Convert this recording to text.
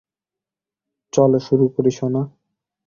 চলো শুরু করি, সোনা।